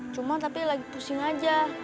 cuma tapi lagi pusing aja